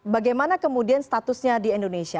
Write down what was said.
bagaimana kemudian statusnya di indonesia